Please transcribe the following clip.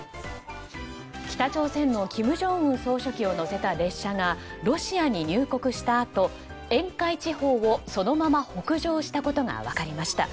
北朝鮮の金正恩総書記を乗せた列車がロシアに入国したあと沿海地方をそのまま北上したことが分かりました。